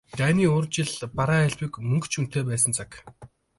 Дайны урьд жил бараа элбэг, мөнгө ч үнэтэй байсан цаг.